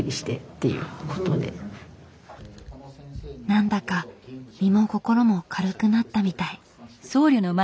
何だか身も心も軽くなったみたい。